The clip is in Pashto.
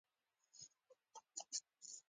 بیا پر موږ لګېږي چې د پیر پر کراماتو خامې عقیدې یو.